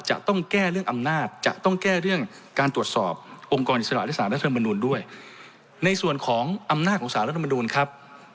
จะต้องแก้เรื่องอำนาจจะต้องแก้เรื่องการตรวจสอบองค์กรอิสระและสารรัฐธรรมนูลด้วยในส่วนของอำนาจของสารรัฐมนูลครับ